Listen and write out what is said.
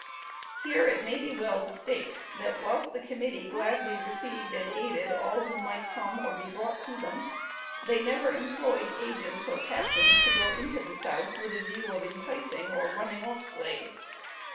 Here it may be well to state that, whilst the Committee gladly received and aided all who might come or be brought to them, they never employed agents or captains to go into the South with a view of enticing or running off slaves.